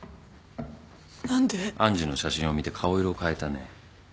愛珠の写真を見て顔色を変えたね。